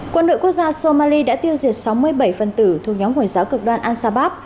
quân đội quốc gia somali đã tiêu diệt sáu mươi bảy phân tử thuộc nhóm hồi giáo cực đoan ansabab